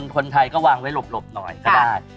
คนไทยก็วางไว้หลบหน่อยก็ได้